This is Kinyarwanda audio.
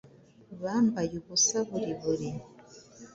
bambaye ubusa buri buri